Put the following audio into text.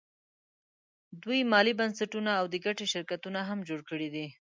دوی مالي بنسټونه او د ګټې شرکتونه هم جوړ کړي دي